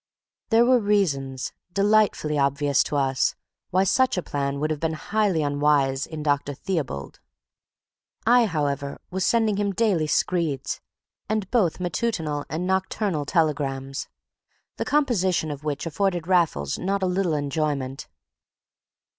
There were reasons, delightfully obvious to us, why such a plan would have been highly unwise in Dr. Theobald. I, however, was sending him daily screeds, and both matutinal and nocturnal telegrams, the composition of which afforded Raffles not a little enjoyment.